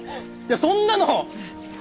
そんなの！